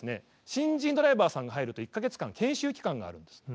新人ドライバーさんが入ると１か月間研修期間があるんですって。